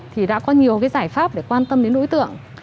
thì đã có nhiều cái giải pháp để quan tâm đến đối tượng